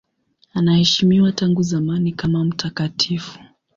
Anaheshimiwa tangu zamani kama mtakatifu.